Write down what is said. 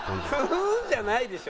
「ふん」じゃないでしょ！